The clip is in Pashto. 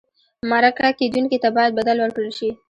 مرکه کېدونکي ته باید بدل ورکړل شي.